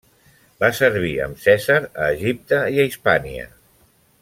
Va servir amb Cèsar a Egipte i a Hispània.